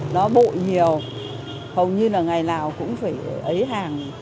nó bội nhiều hầu như là ngày nào cũng phải lấy hàng